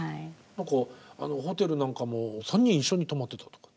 ホテルなんかも３人一緒に泊まってたとかって。